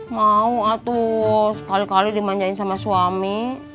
mau atau kali kali dimanjain sama suami